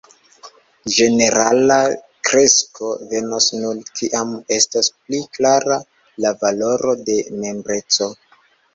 ”Ĝenerala kresko venos nur kiam estos pli klara la valoro de membreco”.